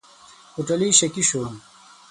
هوټلي شکي شو.